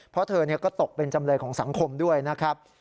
เพราะเธอก็ตกเป็นจำเลยของสังคมด้วยนะครับ